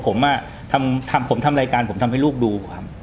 ผมอ่ะผมทำรายการผมทำให้ลูกดู